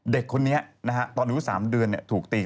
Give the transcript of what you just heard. เด็กคนนี้นะฮะตอนอายุ๓เดือนเนี่ยถูกตี